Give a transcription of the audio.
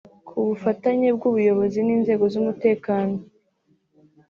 Ku bufatanye bw’ubuyobozi n’inzego z’umutekano